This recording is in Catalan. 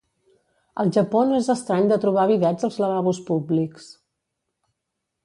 Al Japó no és estrany de trobar bidets als lavabos públics.